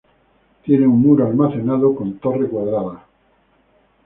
Tiene un muro almenado con torre cuadrada.